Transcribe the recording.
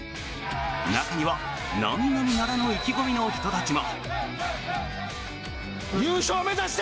中には並々ならぬ意気込みの人たちも。